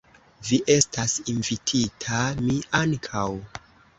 Vi estas invitita, mi ankaŭ.